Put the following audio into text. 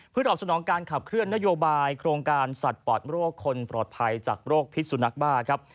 ตอบสนองการขับเคลื่อนนโยบายโครงการสัตว์ปอดโรคคนปลอดภัยจากโรคพิษสุนัขบ้าครับ